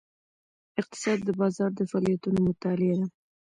اقتصاد د بازار د فعالیتونو مطالعه ده.